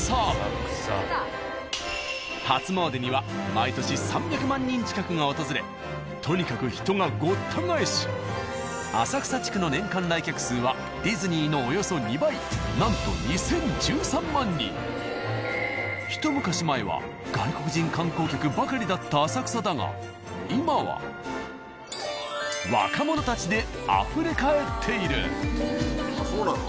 初詣には毎年３００万人近くが訪れとにかく人がごった返し浅草地区の年間来客数はディズニーのおよそ２倍なんとひと昔前は外国人観光客ばかりだった浅草だが今は若者たちであふれ返っている。